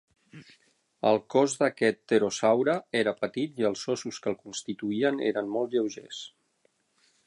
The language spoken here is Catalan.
El cos d'aquest pterosaure era petit i els ossos que el constituïen eren molt lleugers.